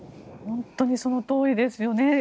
本当にそのとおりですね。